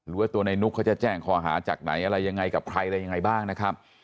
ว่าตัวในนุกเขาจะแจ้งข้อหาจากไหนอะไรยังไงกับใครอะไรยังไงบ้างนะครับ